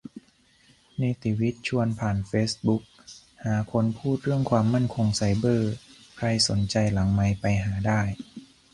เนติวิทย์ชวนผ่านเฟซบุ๊ก หาคนพูดเรื่องความมั่นคงไซเบอร์ ใครสนใจหลังไมค์ไปหาได้